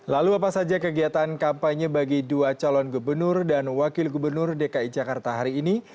lalu apa saja kegiatan kampanye bagi dua calon gubernur dan wakil gubernur dki jakarta hari ini